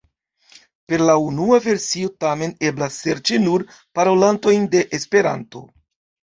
Per la unua versio tamen eblas serĉi nur parolantojn de Esperanto.